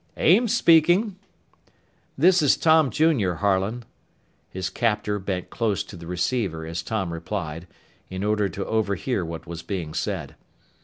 "Ames speaking." "This is Tom Jr., Harlan." His captor bent close to the receiver as Tom replied, in order to overhear what was being said.